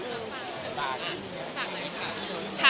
อืม